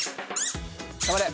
頑張れ！